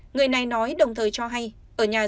người này nói đồng thời cháu n đã không có cháu n